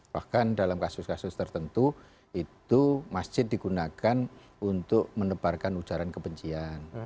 bahkan dalam kasus kasus tertentu itu masjid digunakan untuk menebarkan ujaran kebencian